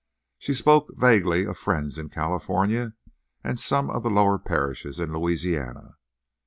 She spoke, vaguely, of friends in California and some of the lower parishes in Louisiana.